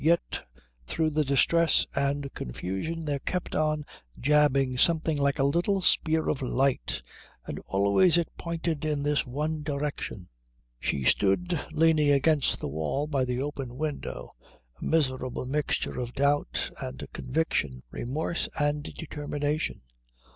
Yet through the distress and confusion there kept on jabbing something like a little spear of light, and always it pointed in this one direction.... She stood leaning against the wall by the open window, a miserable mixture of doubt and conviction, remorse and determination.